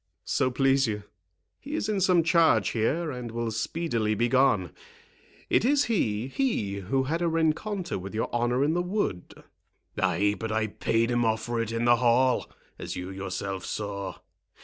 "So please you, he is in some charge here, and will speedily be gone.—It is he—he who had a rencontre with your honour in the wood." "Ay, but I paid him off for it in the hall, as you yourself saw.